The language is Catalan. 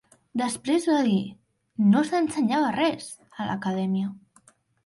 Després va dir, "No s'ensenyava res" a l'Acadèmia.